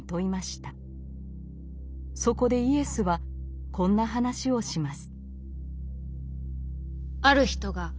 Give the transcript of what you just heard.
そこでイエスはこんな話をします。